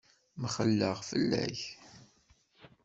Mxelleɣ fell-ak.